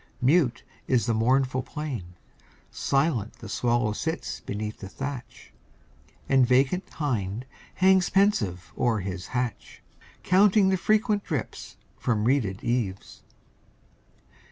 Mute is the mournful plain; Silent the swallow sits beneath the thatch, And vacant hind hangs pensive o'er his hatch, Counting the frequent drips from reeded eaves.